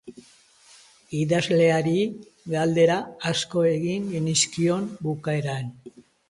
Idazleari galdera asko egin genizkion bukaeran.